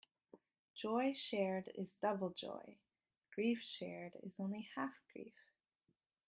Joy shared is double joy; grief shared is only half grief.